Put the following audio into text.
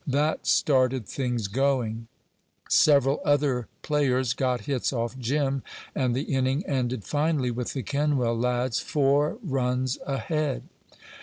That started things going. Several other players got hits off Jim, and the inning ended finally with the Kenwell lads four runs ahead.